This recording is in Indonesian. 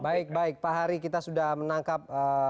baik baik pak hari kita sudah menangkap